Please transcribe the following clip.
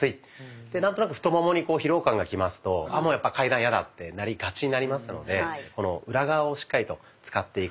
何となく太ももに疲労感がきますと「ああもうやっぱ階段嫌だ」ってなりがちになりますのでこの裏側をしっかりと使っていく。